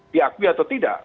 diakui atau tidak